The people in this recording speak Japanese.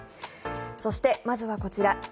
そして、まずはこちら。